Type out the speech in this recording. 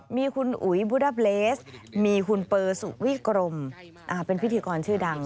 มีคุณอุ๋ยบุด้าเลสมีคุณเปอร์สุวิกรมเป็นพิธีกรชื่อดัง